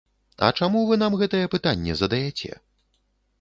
А чаму вы нам гэтае пытанне задаяце?